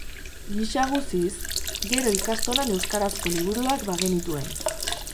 Gisa guziz, gero ikastolan euskarazko liburuak bagenituen.